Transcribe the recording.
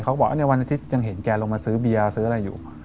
เขาบอกในวันอาทิตย์ยังเห็นแกลงมาซื้อเบียร์ซื้ออะไรอยู่